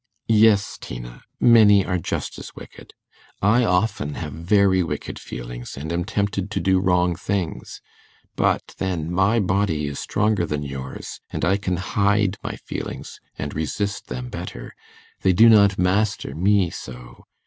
'Yes, Tina, many are just as wicked. I often have very wicked feelings, and am tempted to do wrong things; but then my body is stronger than yours, and I can hide my feelings and resist them better. They do not master me so.